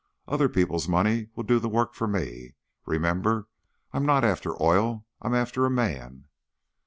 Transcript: Other people's money will do the work for me. Remember, I'm not after oil, I'm after a man."